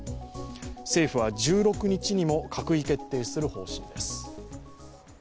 政府は１６日にも閣議決定する方針です。